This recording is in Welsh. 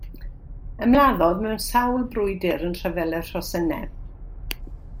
Ymladdodd mewn sawl brwydr yn Rhyfel y Rhosynnau.